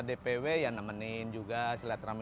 dpw ya nemenin juga sila terami